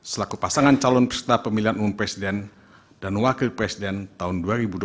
selaku pasangan calon peserta pemilihan umum presiden dan wakil presiden tahun dua ribu dua puluh